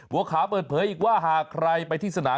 หัวขาเปิดเผยอีกว่าหากใครไปที่สนาม